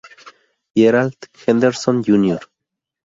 Gerald Henderson, Jr.